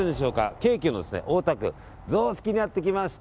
京急の大田区雑色にやってきました